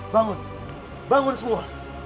bangun bangun semua